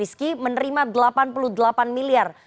yusrisky menerima rp delapan puluh delapan miliar